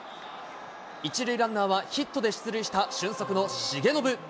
１塁ランナーはヒットで出塁した俊足の重信。